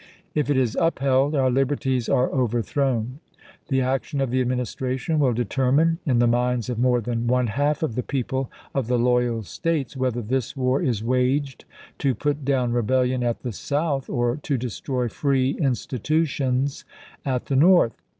.. If it is upheld, our liberties are over thrown. .. The action of the Administration will deter mine, in the minds of more than one half of the people of the loyal States, whether this war is waged to put down " Annual rebellion at the South, or to destroy free institutions at cycio the North.